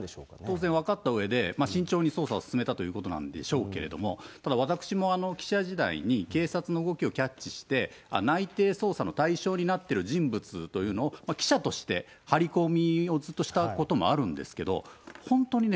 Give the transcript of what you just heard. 当然、分かったうえで慎重に捜査を進めたということなんでしょうけど、ただ、私も記者時代に、警察の動きをキャッチして、内偵捜査の対象になってる人物というのを、記者として張り込みをずっとしたこともあるんですけど、本当にね、